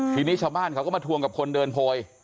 ทีนี้ชาวบ้านเขาก็มาทวงกับคนเดินโพย